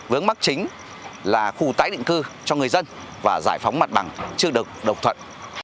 vướng mắt chính là khu tái định cư cho người dân và giải phóng mặt bằng chưa được đồng thuận